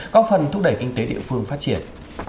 có phần thúc đẩy kinh tế địa phương phát triển